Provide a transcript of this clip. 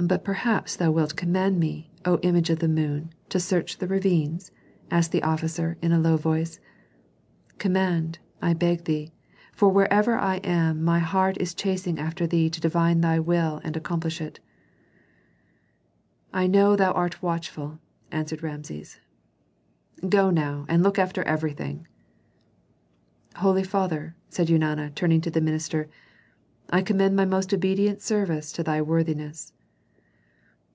"But perhaps thou wilt command me, O image of the moon, to search the ravines?" asked the officer, in a low voice. "Command, I beg thee, for wherever I am my heart is chasing after thee to divine thy will and accomplish it." "I know that thou art watchful," answered Rameses. "Go now and look after everything." "Holy father," said Eunana, turning to the minister, "I commend my most obedient service to thy worthiness."